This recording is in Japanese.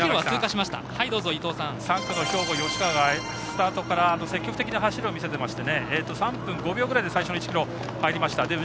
３区の兵庫、吉川がスタートから積極的に走りを見せていて３分５秒ぐらいで最初の１ｋｍ入りました。